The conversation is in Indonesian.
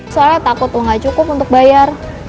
soalnya takut uang nggak cukup untuk bayar